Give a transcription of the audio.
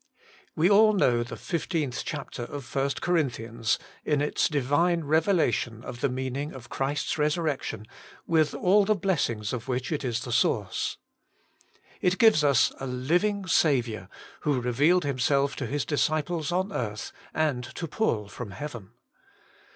WE all know the fifteenth chapter of 1st Corinthians, in its Divine revelation of the meaning of Christ's resurrection, with all the blessings of which it is the source. It gives us a living Saviour, who revealed Himself to His disciples on earth, and to Paul from heaven.